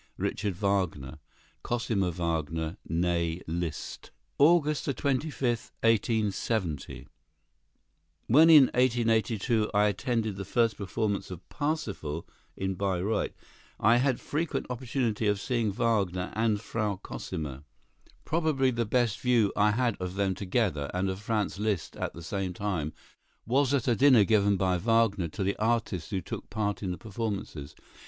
Richard Wagner. Cosima Wagner, née Liszt. "August 25, 1870." When, in 1882, I attended the first performance of "Parsifal" in Bayreuth, I had frequent opportunity of seeing Wagner and Frau Cosima. Probably the best view I had of them together, and of Franz Liszt at the same time, was at a dinner given by Wagner to the artists who took part in the performances.